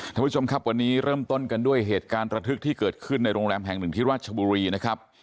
ท่านผู้ชมครับวันนี้เริ่มต้นกันด้วยเหตุการณ์ระทึกที่เกิดขึ้นในโรงแรมแห่งหนึ่งที่ราชบุรีนะครับ